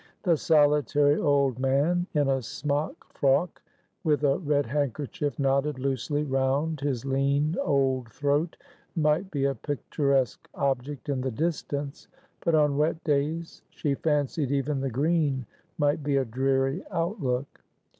The solitary old man in a smock frock, with a red handkerchief knotted loosely round his lean old throat, might be a picturesque object in the distance, but on wet days she fancied even the green might be a dreary outlook.